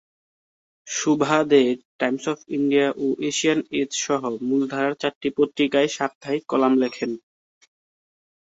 Shobha De Times of India ও Asian Age সহ মূলধারার চারটি পত্রিকায় সাপ্তাহিক কলাম লেখেন।